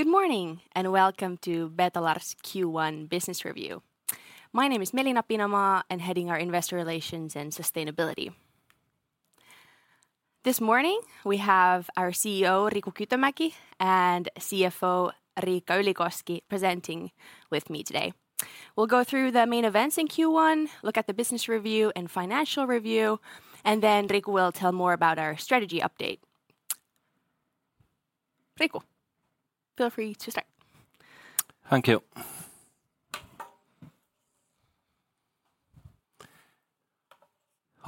Good morning. Welcome to Betolar's Q1 business review. My name is Melina Pinomaa, I'm heading our Investor Relations and Sustainability. This morning we have our CEO, Riku Kytömäki, and CFO, Riikka Ylikoski, presenting with me today. We'll go through the main events in Q1, look at the business review and financial review. Riku will tell more about our strategy update. Riku, feel free to start. Thank you.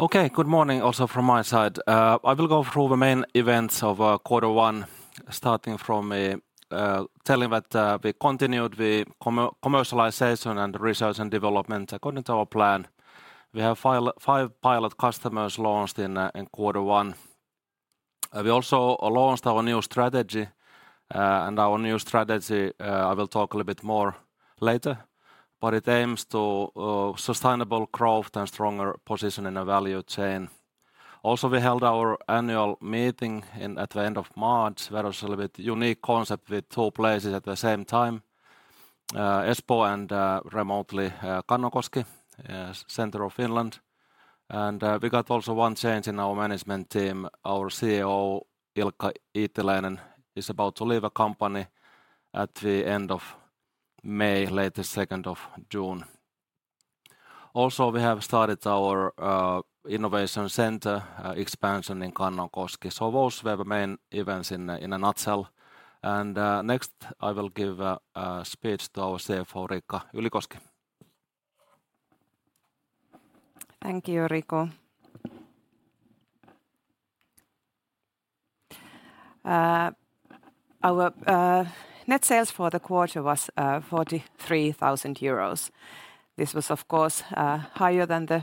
Okay, good morning also from my side. I will go through the main events of quarter one, starting from telling that we continued the commercialization and research and development according to our plan. We have five pilot customers launched in quarter one. We also launched our new strategy, and our new strategy I will talk a little bit more later, but it aims to sustainable growth and stronger position in the value chain. Also we held our annual meeting at the end of March. That was a little bit unique concept with two places at the same time, Espoo and remotely, Kannonkoski, center of Finland. We got also one change in our management team. Our COO, Ilkka Iittiläinen, is about to leave the company at the end of May, latest second of June. We have started our innovation center expansion in Kannonkoski. Those were the main events in a nutshell. Next I will give speech to our CFO, Riikka Ylikoski. Thank you, Riku. Our net sales for the quarter was 43,000 euros. This was of course higher than the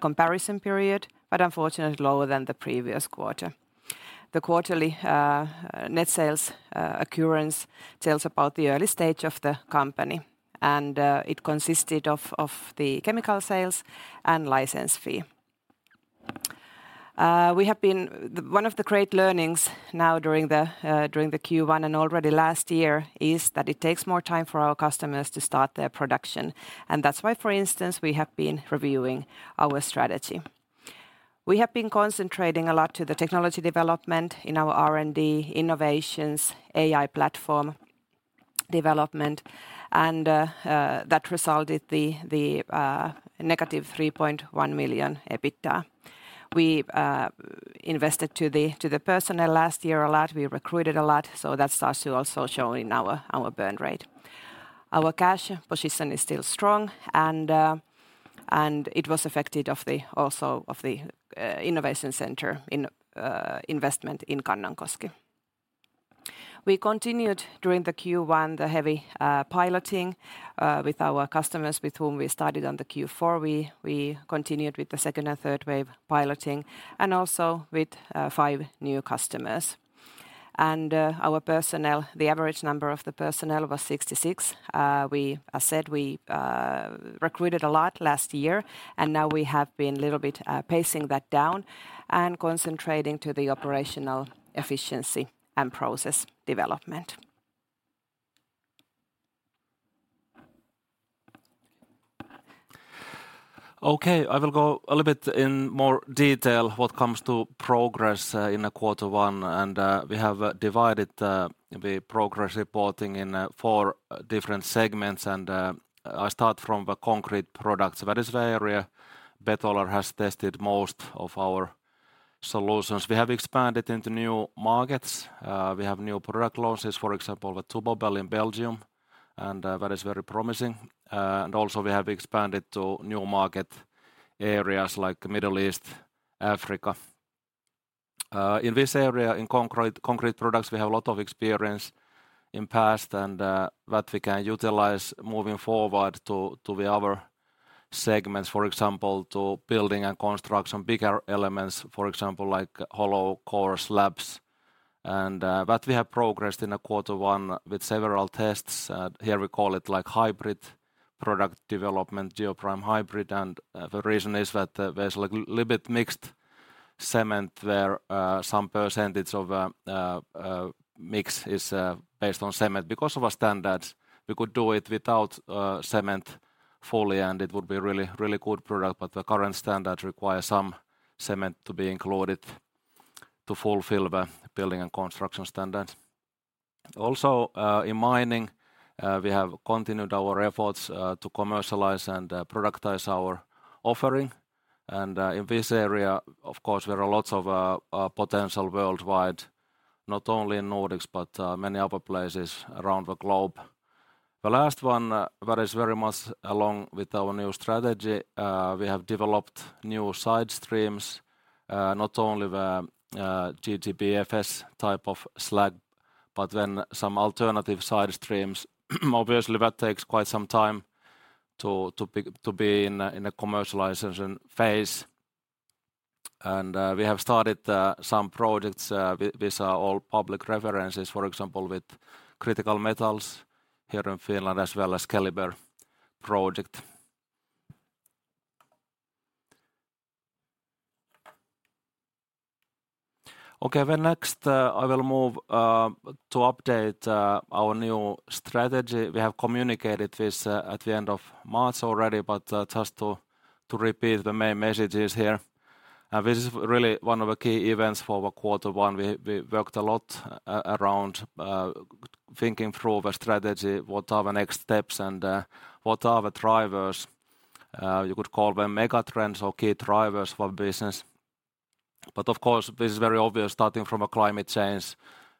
comparison period, but unfortunately lower than the previous quarter. The quarterly net sales occurrence tells about the early stage of the company, and it consisted of the chemical sales and license fee. One of the great learnings now during the Q1 and already last year is that it takes more time for our customers to start their production. That's why, for instance, we have been reviewing our strategy. We have been concentrating a lot to the technology development in our R&D innovations, AI platform development, and that resulted the negative 3.1 million EBITDA. We invested to the personnel last year a lot. We recruited a lot, that starts to also show in our burn rate. Our cash position is still strong and it was affected also of the innovation center investment in Kannonkoski. We continued during the Q1 the heavy piloting with our customers with whom we started on the Q4. We continued with the second and third wave piloting and also with five new customers. Our personnel, the average number of the personnel was 66. As said, we recruited a lot last year, and now we have been a little bit pacing that down and concentrating to the operational efficiency and process development. Okay, I will go a little bit in more detail what comes to progress in the quarter one, and we have divided the progress reporting in four different segments. I start from the concrete products. That is the area Betolar has tested most of our solutions. We have expanded into new markets. We have new product launches, for example, with Tubobel in Belgium, and that is very promising. And also we have expanded to new market areas like Middle East, Africa. In this area, in concrete products, we have a lot of experience in past, and that we can utilize moving forward to the other segments, for example, to building and construction, bigger elements, for example, like hollow core slabs. That we have progressed in the quarter one with several tests. Here we call it like hybrid product development, Geoprime hybrid. The reason is that there's like little bit mixed cement where some percentage of mix is based on cement. Because of our standards, we could do it without cement fully, and it would be a really, really good product, but the current standards require some cement to be included to fulfill the building and construction standard. Also, in mining, we have continued our efforts to commercialize and productize our offering. In this area, of course, there are lots of potential worldwide, not only in Nordics, but many other places around the globe. The last one, that is very much along with our new strategy, we have developed new side streams, not only the GGBFS type of slag, but then some alternative side streams. Obviously, that takes quite some time to be in a commercialization phase. We have started some projects. These are all public references, for example, with Critical Metals here in Finland as well as Keliber project. Next, I will move to update our new strategy. We have communicated this at the end of March already, but just to repeat the main messages here. This is really one of the key events for the Q1. We worked a lot around thinking through the strategy, what are the next steps and what are the drivers, you could call them mega trends or key drivers for business. Of course, this is very obvious starting from a climate change,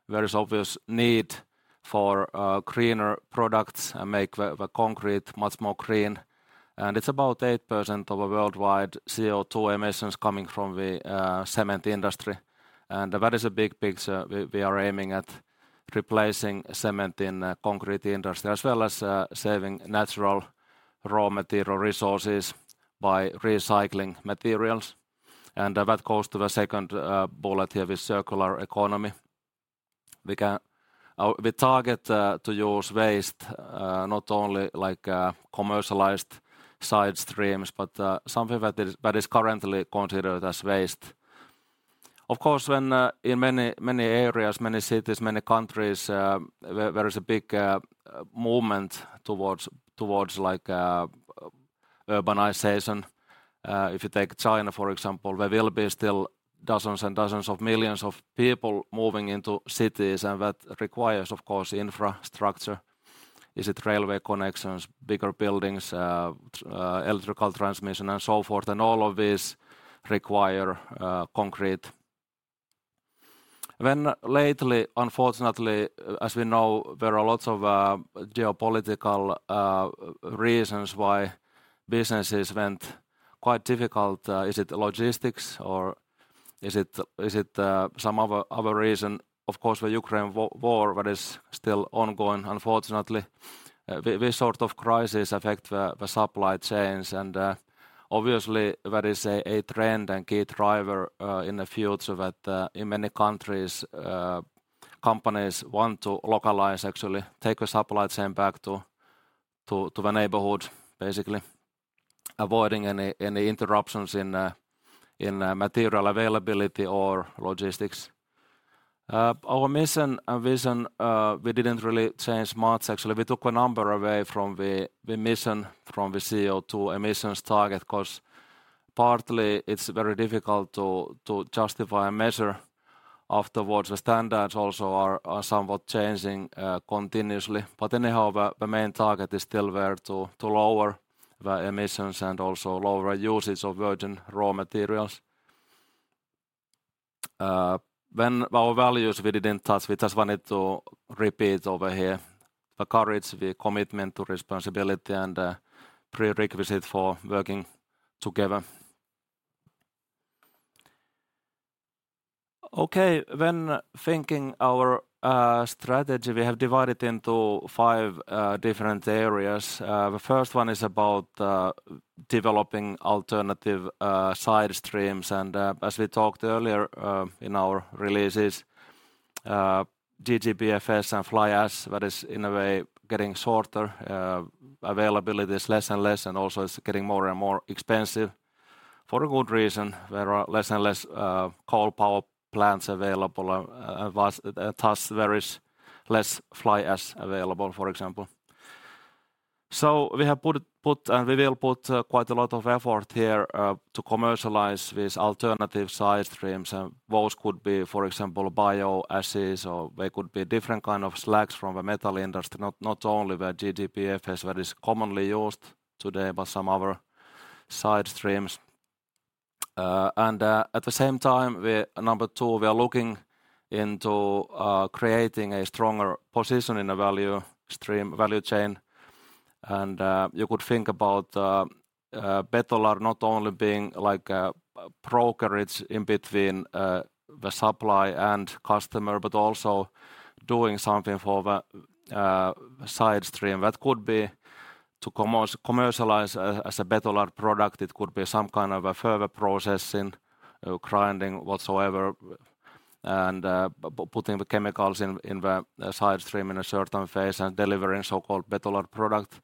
there is obvious need for greener products and make the concrete much more green. It's about 8% of a worldwide CO2 emissions coming from the cement industry. That is a big picture. We are aiming at replacing cement in the concrete industry, as well as saving natural raw material resources by recycling materials. That goes to the second bullet here with circular economy. We target to use waste, not only like commercialized side streams, but something that is currently considered as waste. Of course, when in many, many areas, many cities, many countries, there is a big movement towards like urbanization. If you take China, for example, there will be still dozens and dozens of millions of people moving into cities, and that requires, of course, infrastructure. Is it railway connections, bigger buildings, electrical transmission and so forth? All of these require concrete. Lately, unfortunately, as we know, there are lots of geopolitical reasons why businesses went quite difficult. Is it logistics or is it some other reason? Of course, the Ukraine war that is still ongoing, unfortunately. This sort of crisis affect the supply chains and obviously there is a trend and key driver in the future that in many countries companies want to localize, actually take the supply chain back to, to the neighborhood, basically. Avoiding any interruptions in material availability or logistics. Our mission and vision, we didn't really change much actually. We took a number away from the mission from the CO2 emissions target, 'cause partly it's very difficult to justify a measure afterwards. The standards also are somewhat changing continuously. Anyhow, the main target is still there to lower the emissions and also lower usage of virgin raw materials. When our values we didn't touch, we just wanted to repeat over here. The courage, the commitment to responsibility and prerequisite for working together. Okay, when thinking our strategy, we have divided into five different areas. The first one is about developing alternative side streams. As we talked earlier, in our releases, GGBFS and fly ash, that is in a way getting shorter. Availability is less and less, and also it's getting more and more expensive for a good reason. There are less and less coal power plants available. Thus there is less fly ash available, for example. We have put, and we will put quite a lot of effort here to commercialize these alternative side streams. Those could be, for example, bio ashes, or they could be different kind of slags from a metal industry, not only the GGBFS that is commonly used today, but some other side streams. At the same time, number two, we are looking into creating a stronger position in the value stream, value chain. You could think about Betolar not only being like a brokerage in between the supply and customer, but also doing something for the side stream. That could be to commercialize as a Betolar product. It could be some kind of a further processing, grinding whatsoever, putting the chemicals in the side stream in a certain phase and delivering so-called Betolar product.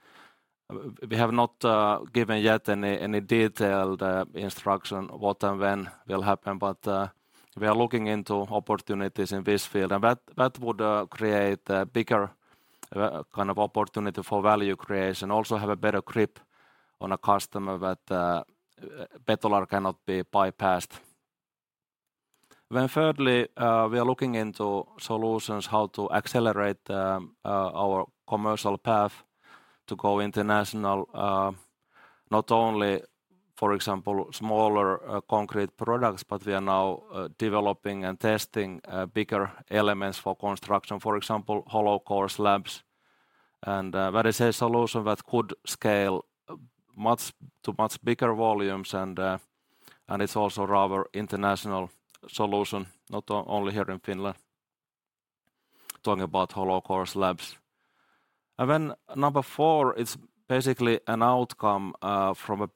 We have not given yet any detailed instruction what and when will happen, but we are looking into opportunities in this field. That would create a bigger kind of opportunity for value creation. Also have a better grip on a customer that Betolar cannot be bypassed. Thirdly, we are looking into solutions how to accelerate our commercial path to go international. Not only, for example, smaller concrete products, but we are now developing and testing bigger elements for construction. For example, hollow core slabs, and that is a solution that could scale much to much bigger volumes and it's also rather international solution, not only here in Finland. Talking about hollow core slabs. Number four, it's basically an outcome from a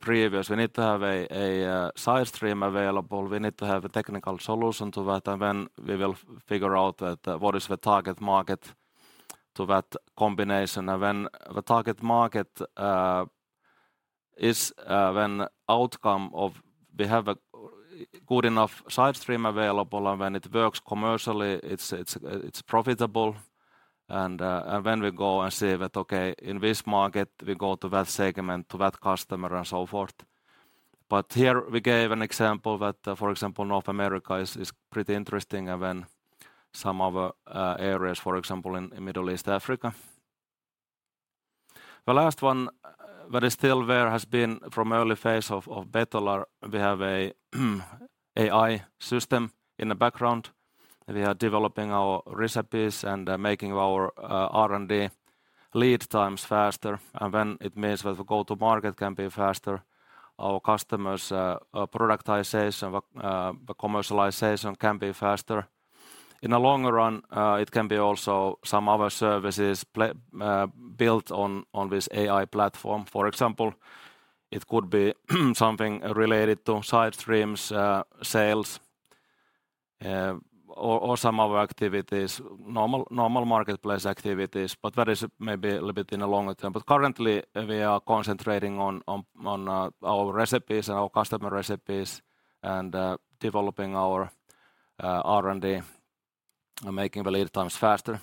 previous. We need to have a side stream available. We need to have a technical solution to that. Then we will figure out that what is the target market to that combination. When the target market Is, when outcome of... We have a good enough side stream available. When it works commercially, it's profitable. When we go and see that, okay, in this market, we go to that segment, to that customer, and so forth. Here we gave an example that, for example, North America is pretty interesting and when some other areas, for example, in Middle East Africa. The last one that is still there has been from early phase of Betolar, we have a AI system in the background. We are developing our recipes and making our R&D lead times faster. When it means that the go to market can be faster, our customers productization, the commercialization can be faster. In the long run, it can be also some other services built on this AI platform. For example, it could be something related to side streams, sales, or some other activities, normal marketplace activities. That is maybe a little bit in the longer term. Currently, we are concentrating on our recipes and our customer recipes and developing our R&D and making the lead times faster.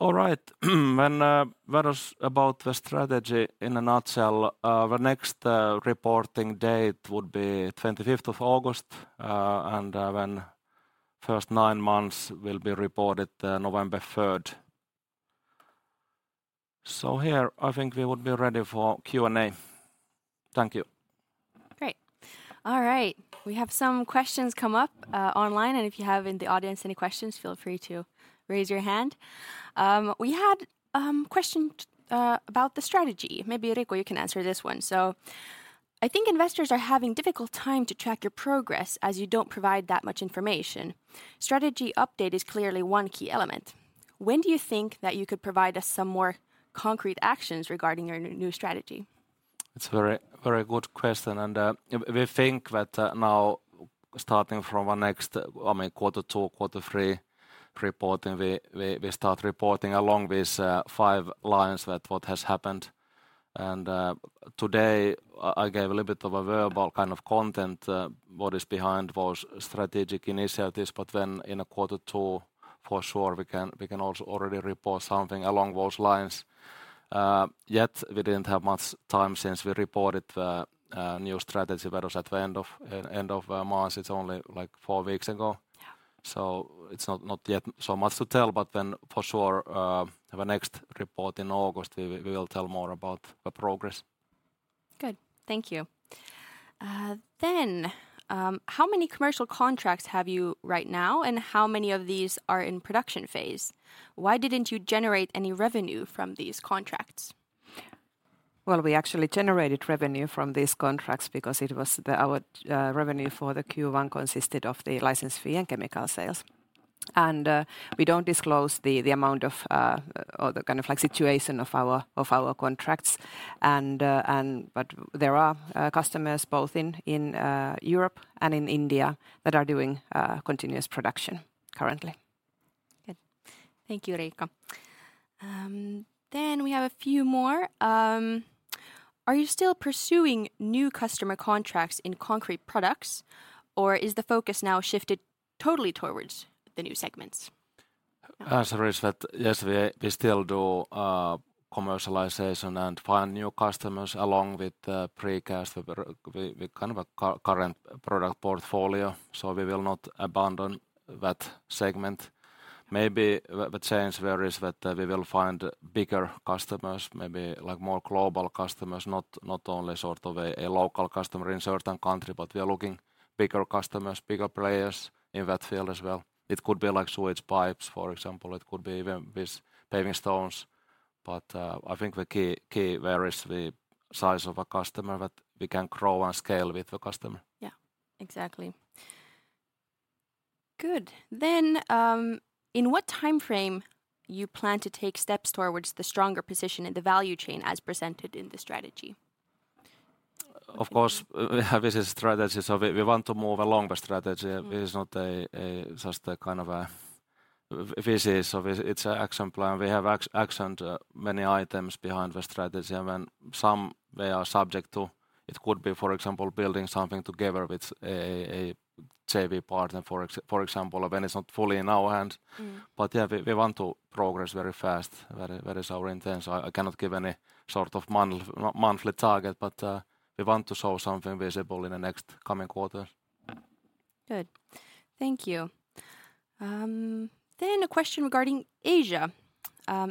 All right. When that is about the strategy in a nutshell, the next reporting date would be 25th of August, and when first nine months will be reported, November 3rd. Here, I think we would be ready for Q&A. Thank you. Great. All right. We have some questions come up, online, and if you have in the audience any questions, feel free to raise your hand. We had question about the strategy. Maybe, Riikka, you can answer this one. I think investors are having difficult time to track your progress, as you don't provide that much information. Strategy update is clearly one key element. When do you think that you could provide us some more concrete actions regarding your new strategy? It's very, very good question, and we think that now starting from our next, I mean, quarter two, quarter three reporting, we start reporting along these five lines with what has happened. Today, I gave a little bit of a verbal kind of content, what is behind those strategic initiatives, but when in a quarter two, for sure we can also already report something along those lines. Yet we didn't have much time since we reported the new strategy that was at the end of March. It's only, like, four weeks ago. Yeah. It's not yet so much to tell, for sure, the next report in August, we will tell more about the progress. Good. Thank you. How many commercial contracts have you right now, and how many of these are in production phase? Why didn't you generate any revenue from these contracts? Well, we actually generated revenue from these contracts because it was Our revenue for the Q1 consisted of the license fee and chemical sales. We don't disclose the amount of or the kind of like situation of our contracts, but there are customers both in Europe and in India that are doing continuous production currently. Good. Thank you, Riikka. We have a few more. Are you still pursuing new customer contracts in concrete products, or is the focus now shifted totally towards the new segments? The answer is that yes, we still do commercialization and find new customers along with the precast, the kind of a current product portfolio. We will not abandon that segment. Maybe the change there is that we will find bigger customers, maybe like more global customers, not only sort of a local customer in certain country, but we are looking bigger customers, bigger players in that field as well. It could be like sewage pipes, for example. It could be even with paving stones. I think the key there is the size of a customer that we can grow and scale with the customer. Yeah. Exactly. Good. In what timeframe you plan to take steps towards the stronger position in the value chain as presented in the strategy? Of course, we have this strategy, so we want to move along the strategy. Mm. It is not a just a kind of a vision, so it's a action plan. We have action, many items behind the strategy. When some we are subject to, it could be, for example, building something together with a JV partner, for example, when it's not fully in our hands. Mm. Yeah, we want to progress very fast. That is our intent. I cannot give any sort of monthly target, but we want to show something visible in the next coming quarters. Good. Thank you. A question regarding Asia.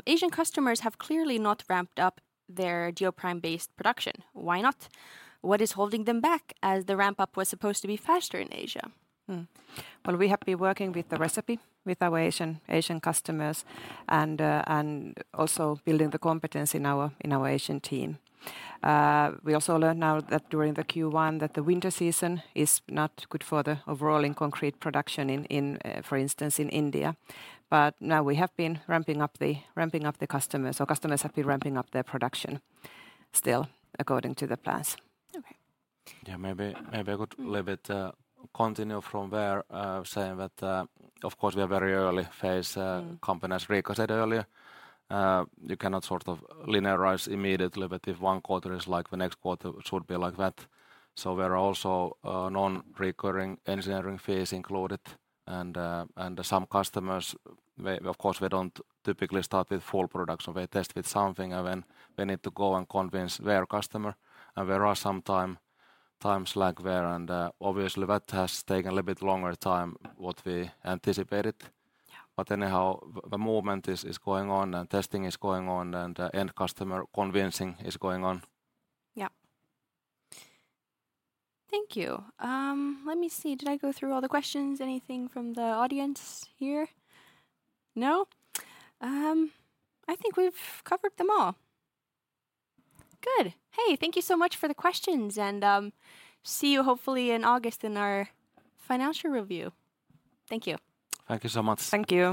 Asian customers have clearly not ramped up their Geoprime-based production. Why not? What is holding them back as the ramp-up was supposed to be faster in Asia? We have been working with the recipe with our Asian customers and also building the competence in our Asian team. We also learned now that during the Q1, that the winter season is not good for the overall in concrete production in, for instance, in India. Now we have been ramping up the customers, or customers have been ramping up their production still according to the plans. Okay. Yeah. Maybe I could little bit continue from there, saying that, of course, we are very early phase company, as Riikka said earlier. You cannot sort of linearize immediately that if one quarter is like the next quarter should be like that. There are also non-recurring engineering fees included, and some customers. Of course, we don't typically start with full production. We test with something, and then we need to go and convince their customer, and there are some times lag there, and obviously that has taken a little bit longer time what we anticipated. Yeah. Anyhow, the movement is going on and testing is going on, and end customer convincing is going on. Yeah. Thank you. Let me see. Did I go through all the questions? Anything from the audience here? No? I think we've covered them all. Good. Hey, thank you so much for the questions, and, see you hopefully in August in our financial review. Thank you. Thank you so much. Thank you.